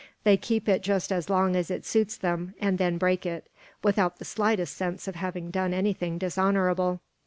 They keep it just as long as it suits them, and then break it; without the slightest sense of having done anything dishonourable.